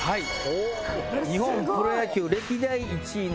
日本プロ野球歴代１位の。